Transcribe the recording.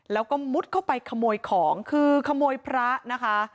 แล้วก็มุดเข้าไปขโมยของคือขโมยพระนะคะ